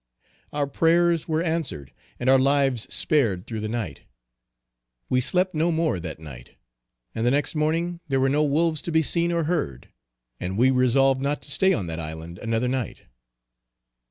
Our prayers were answered, and our lives spared through the night. We slept no more that night, and the next morning there were no wolves to be seen or heard, and we resolved not to stay on that island another night.